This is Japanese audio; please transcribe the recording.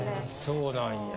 そうなんや。